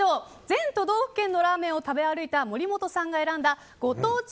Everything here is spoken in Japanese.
全都道府県のラーメンを食べ歩いた森本さんが選んだご当地